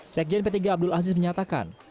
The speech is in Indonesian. sekjen p tiga abdul aziz menyatakan